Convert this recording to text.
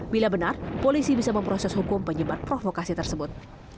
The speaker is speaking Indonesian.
bila benar polisi bisa memproses hukum penyebar provokasi tersebut